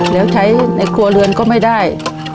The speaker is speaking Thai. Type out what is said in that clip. แล้วใช้ในครัวเรือนก็ไม่ได้